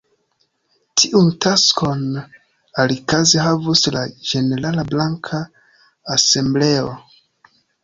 Tiun taskon alikaze havus la ĝenerala banka asembleo.